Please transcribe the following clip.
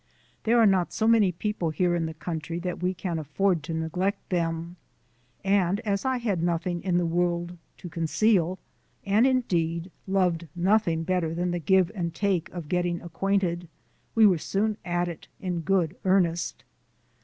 There are not so many people here in the country that we can afford to neglect them. And as I had nothing in the world to conceal, and, indeed, loved nothing better than the give and take of getting acquainted, we were soon at it in good earnest.